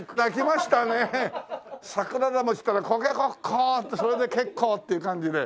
桜葉餅って言ったらコケコッコーってそれで結構！っていう感じで。